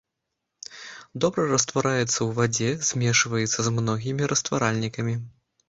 Добра раствараецца ў вадзе, змешваецца з многім растваральнікамі.